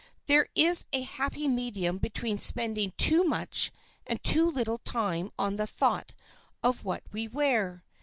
There is a happy medium between spending too much and too little time on the thought of what we wear.